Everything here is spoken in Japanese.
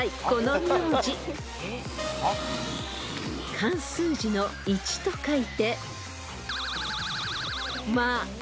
［漢数字の一と書いてまえ］